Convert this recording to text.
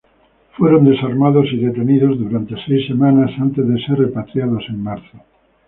Fueron desarmados y detenidos durante seis semanas antes de ser repatriados en marzo.